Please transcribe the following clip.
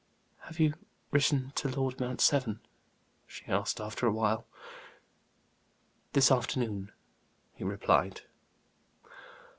"Have you written to Lord Mount Severn?" she asked after a while. "This afternoon," he replied.